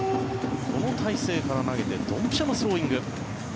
この体勢から投げてドンピシャのスローイング。